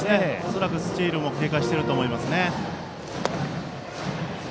恐らくスチールも警戒していると思います。